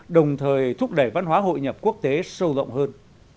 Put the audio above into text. đồng thời thúc đẩy văn hóa hội nhập quốc tế sâu rộng hơn